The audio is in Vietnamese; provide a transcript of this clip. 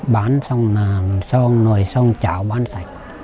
bán xong là xong nồi xong chảo bán sạch